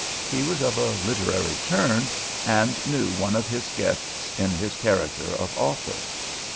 He was of a literary turn, and knew one of his guests in his character of author.